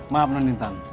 maaf non intan